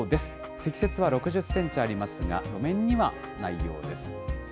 積雪は６０センチありますが、路面にはないようです。